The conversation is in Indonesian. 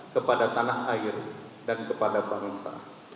kepada tanah air dan kepada bangsa